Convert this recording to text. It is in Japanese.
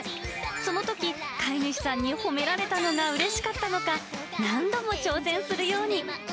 そのとき飼い主さんに褒められたのがうれしかったのか、何度も挑戦するように。